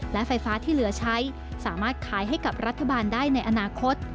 และไฟฟ้าที่เหลือใช้สามารถขายให้กับรัฐบาลได้ในอนาคต